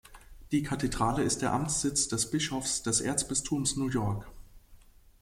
Die Kathedrale ist der Amtssitz des Bischofs des Erzbistums New York.